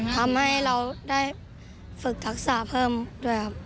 ทำให้เราได้ฝึกทักษะเพิ่มด้วยครับ